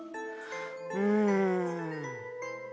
うん。